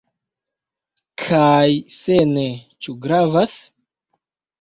Kaj se ne, ĉu gravas?